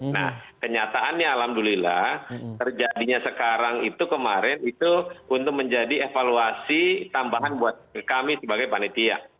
nah kenyataannya alhamdulillah terjadinya sekarang itu kemarin itu untuk menjadi evaluasi tambahan buat kami sebagai panitia